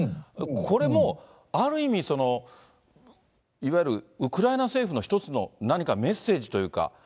これもある意味、いわゆるウクライナ政府の一つの何かメッセージというか。